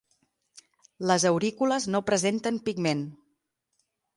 Les aurícules no presenten pigment.